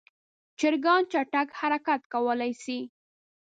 چرګان چټک حرکت کولی شي.